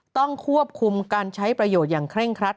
ต้องควบคุมการใช้ประโยชน์อย่างเคร่งครัด